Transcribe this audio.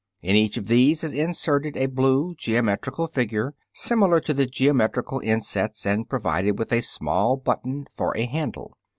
In each of these is inserted a blue geometrical figure similar to the geometrical insets and provided with a small button for a handle.